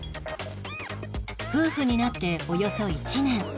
夫婦になっておよそ１年